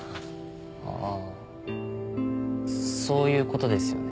ああそういうことですよね。